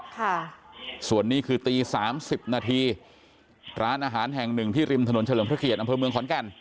ค่ะส่วนนี้คือตีสามสิบนาทีร้านอาหารแห่งหนึ่งที่ริมถนนเฉลิมพระเกียรติอำเภอเมืองขอนแก่น